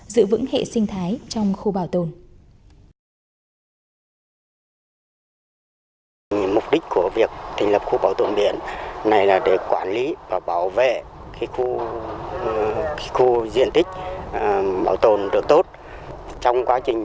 giữ vững hệ sinh thái trong khu bảo tồn